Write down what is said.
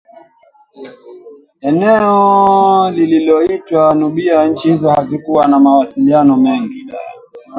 eneo lililoitwa Nubia Nchi hizo hazikuwa na mawasiliano mengi